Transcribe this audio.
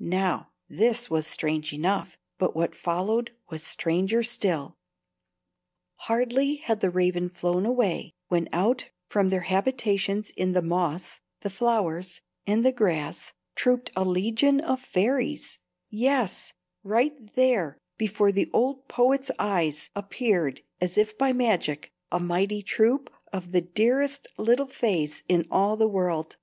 Now, this was strange enough, but what followed was stranger still. Hardly had the Raven flown away, when out from their habitations in the moss, the flowers, and the grass trooped a legion of fairies, yes, right there before the old poet's eyes appeared, as if by magic, a mighty troop of the dearest little fays in all the world.